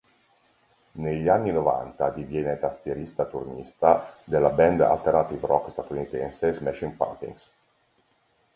Negli anni novanta diviene tastierista turnista della band alternative rock statunitense Smashing Pumpkins.